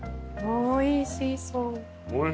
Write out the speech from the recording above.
おいしそう。